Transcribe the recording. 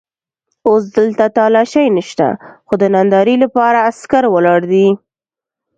اوس دلته تالاشۍ نشته خو د نندارې لپاره عسکر ولاړ دي.